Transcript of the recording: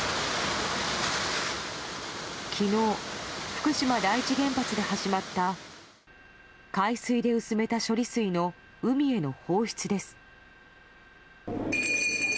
きのう、福島第一原発で始まった海水で薄めた処理水の海への放出です。